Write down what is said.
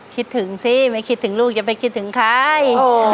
คิดถึงสิไม่คิดถึงลูกอย่าไปคิดถึงใคร